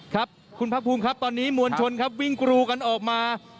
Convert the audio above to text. ครับคุณภาคภูมิครับตอนนี้มวลชนครับวิ่งกรูกันออกมา